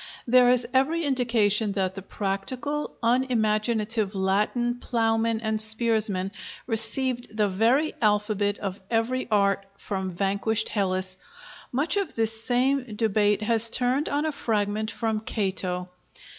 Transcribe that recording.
There is every indication that the practical, unimaginative Latin plowmen and spearsmen received the very alphabet of every art from vanquished Hellas. Much of this same debate has turned on a fragment from Cato.